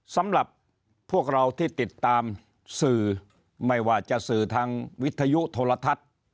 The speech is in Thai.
สำหรับพวกเราที่ติดตามสื่อไม่ว่าจะสื่อทางวิทยุโทรทัศน์